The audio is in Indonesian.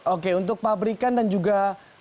oke untuk pabrikan dan juga